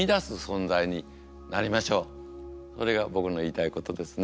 それが僕の言いたいことですね。